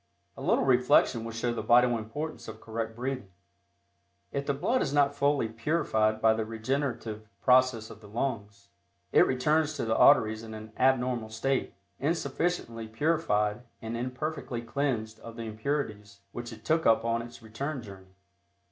A little reflection will show the vital importance of correct breathing. If the blood is not fully purified by the regenerative process of the lungs, it returns to the arteries in an abnormal state, insufficiently purified and imperfectly cleansed of the impurities which it took up on its return journey.